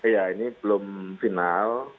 ya ini belum final